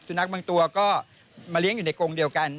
นักบางตัวก็มาเลี้ยงอยู่ในกรงเดียวกัน